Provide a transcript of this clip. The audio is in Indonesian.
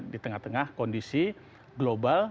di tengah tengah kondisi global